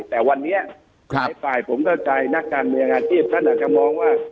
แต่วันนี้หลายฝ่ายผมเข้าใจนักการเมืองอาชีพท่านอาจจะมองว่า